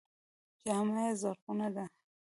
جامه یې زرغونه ده.